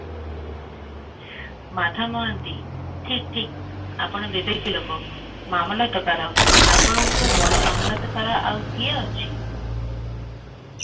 ମାଧ ମହାନ୍ତି- ଠିକ୍ ଠିକ୍, ଆପଣ ବିବେକୀ ଲୋକ, ମାମଲତକାର, ଆପଣଙ୍କୁ ବଳି ମାମଲତକାର ଆଉ କିଏ ଅଛି?